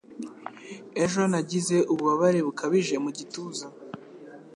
Ejo nagize ububabare bukabije mu gituza.